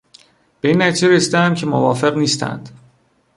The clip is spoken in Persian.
به این نتیجه رسیدهام که موافق نیستند.